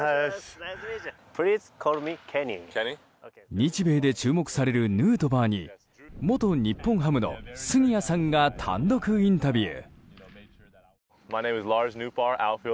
日米で注目されるヌートバーに元日本ハムの杉谷さんが単独インタビュー。